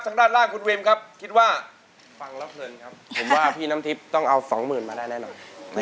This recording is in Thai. จากนั้นพี่น้ำทิศต้องเอา๒๐๐๐๐๐ทำได้แน่นอน